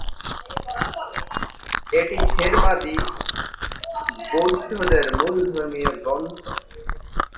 এটি থেরবাদী বৌদ্ধদের মূল ধর্মীয় গ্রন্থ।